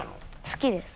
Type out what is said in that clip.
好きです。